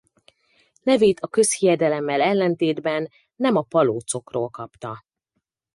Nevét a közhiedelemmel ellentétben nem a palócokról kapta.